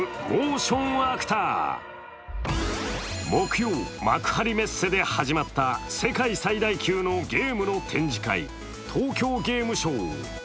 木曜、幕張メッセで始まった世界最大級のゲームの展示会、東京ゲームショウ。